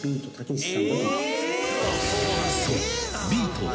［そう］